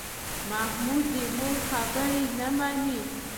محمود د مور خبرې نه مني.